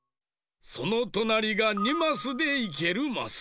そのとなりが２マスでいけるマス。